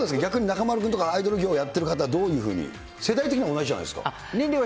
中丸君とかアイドル業やってる方、どういうふうに、世代的には同じじゃないですか。